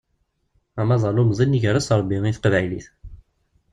Amaḍal umḍin iger-as arebbi i teqbaylit.